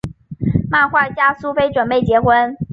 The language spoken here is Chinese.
漫画家苏菲准备结婚。